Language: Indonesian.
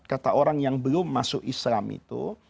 kata orang yang belum masuk islam itu